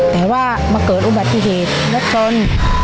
แต่ว่ามาเกิดอุบัติเหตุรถชน